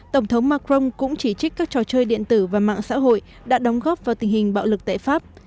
tổng thống macron cũng chỉ trích các trò chơi điện tử và mạng xã hội đã đóng góp vào tình hình bạo lực tại pháp